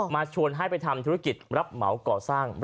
ชวนให้ไปทำธุรกิจรับเหมาก่อสร้าง